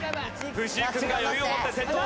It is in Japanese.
藤井君が余裕を持って先頭。